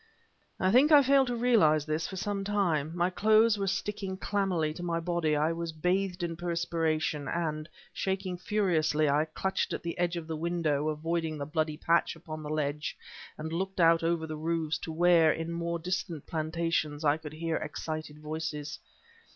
I think I failed to realize this for some time. My clothes were sticking clammily to my body; I was bathed in perspiration, and, shaking furiously, I clutched at the edge of the window, avoiding the bloody patch upon the ledge, and looked out over the roofs to where, in the more distant plantations, I could hear excited voices.